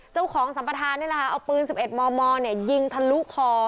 เจ้าของสัมประธานนี่แหละเอาปืน๑๑มมยิงทะลุคอ